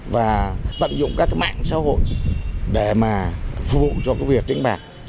và tận dụng các mạng xã hội để mà phục vụ cho việc đánh bạc